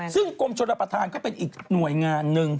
ซึ่งกรมชนรับประทานก็เป็นอีกหน่วยงานหนึ่ง